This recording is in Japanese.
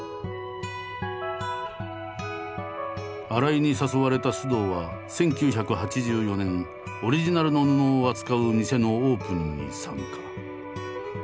新井に誘われた須藤は１９８４年オリジナルの布を扱う店のオープンに参加。